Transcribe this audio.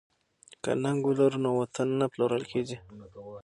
که ننګ ولرو نو وطن نه پلورل کیږي.